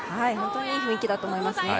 本当にいい雰囲気だと思います。